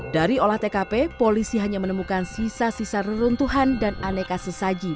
dari olah tkp polisi hanya menemukan sisa sisa reruntuhan dan aneka sesaji